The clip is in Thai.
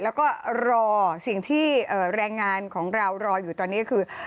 แล้วก็รอสิ่งที่แรงงานของเรารออยู่ตอนนี้คือ